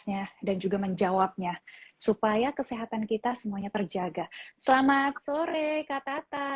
nya dan juga menjawabnya supaya kesehatan kita semuanya terjaga selamat sore kak tata